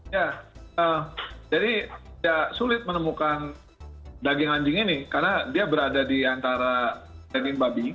ya jadi tidak sulit menemukan daging anjing ini karena dia berada di antara daging babi